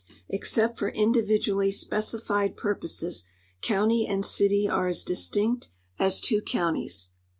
Except for individually specified purposes, county and city are as distinct as two counties.